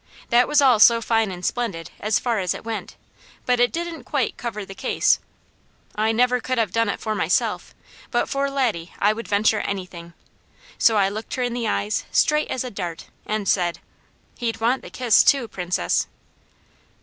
That was all so fine and splendid, as far as it went, but it didn't quite cover the case. I never could have done it for myself; but for Laddie I would venture anything, so I looked her in the eyes, straight as a dart, and said: "He'd want the kiss too, Princess!"